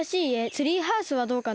ツリーハウスはどうかな？